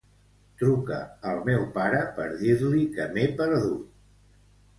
Truca al meu pare per dir-li que m'he perdut.